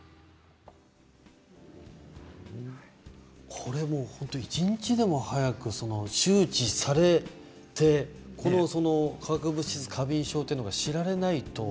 これは本当に一日でも早く周知されて化学物質過敏症というものが知られないと。